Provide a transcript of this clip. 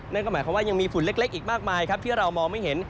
นั่นก็หมายความว่ายังมีฝุ่นเล็กอีกมากมายครับที่เรามองไม่เห็น